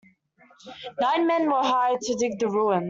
Nine men were hired to dig the ruins.